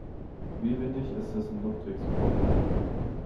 Wie windig ist es in Ludwigsburg?